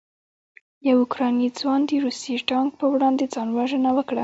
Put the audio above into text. یو اوکراني ځوان د روسي ټانک په وړاندې ځان وژنه وکړه.